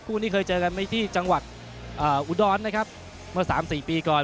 นี้เคยเจอกันไหมที่จังหวัดอุดรนะครับเมื่อสามสี่ปีก่อน